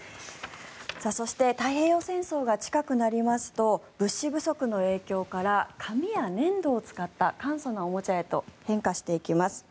そして、太平洋戦争が近くなりますと物資不足の影響から紙や粘土を使った簡素なおもちゃへと変化していきます。